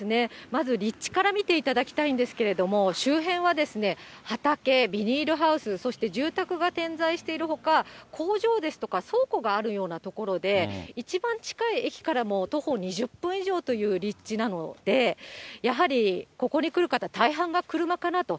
まず、立地から見ていただきたいんですけれども、周辺はですね、畑、ビニールハウス、そして住宅が点在しているほか、工場ですとか、倉庫があるような所で、一番近い駅からも徒歩２０分以上という立地なので、やはり、ここに来る方、大半が車かなと。